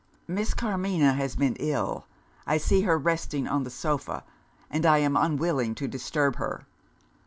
"Miss Carmina has been ill. I see her resting on the sofa and I am unwilling to disturb her."